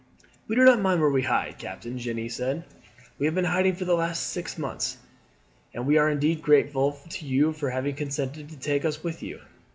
"We do not mind where we hide, captain," Jeanne said. "We have been hiding for the last six months, and we are indeed grateful to you for having consented to take us with you."